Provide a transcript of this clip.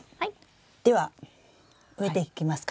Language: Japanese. では植えていきますか。